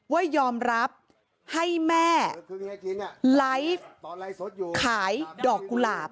ว่ายอมรับให้แม่ไลฟ์ขายดอกกุหลาบ